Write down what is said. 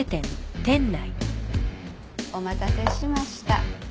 お待たせしました。